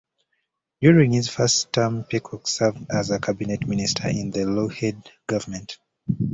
During his first term Peacock served as a cabinet minister in the Lougheed government.